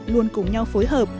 luôn cùng nhau phối hợp